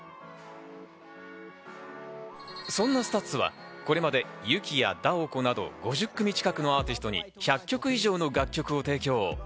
そんなＳＴＵＴＳはこれまでＹＵＫＩやＤＡＯＫＯなど５０組近くのアーティストに１００曲以上の楽曲を提供。